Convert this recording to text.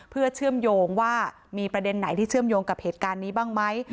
เพื่อเชื่อมโยงว่ามีประเด็นไหนที่เชื่อมโยงกับเหตุการณ์นี้บ้างไหม